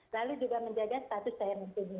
lalu juga menjaga status saya yang berpunyai